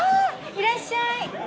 いらっしゃい。